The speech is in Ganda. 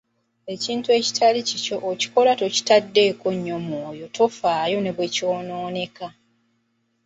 Ekintu ekitali kikyo okikola tokiteekako nnyo mwoyo tofaayo ne bwe kyonooneka.